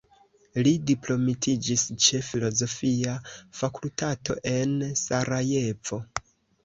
Li diplomitiĝis ĉe filozofia fakultato en Sarajevo.